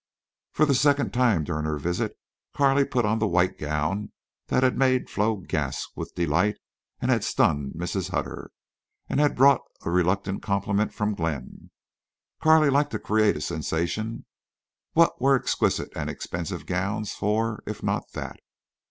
For the second time during her visit Carley put on the white gown that had made Flo gasp with delight, and had stunned Mrs. Hutter, and had brought a reluctant compliment from Glenn. Carley liked to create a sensation. What were exquisite and expensive gowns for, if not that?